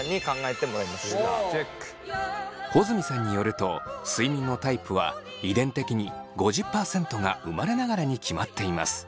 穂積さんによると睡眠のタイプは遺伝的に５０％が生まれながらに決まっています。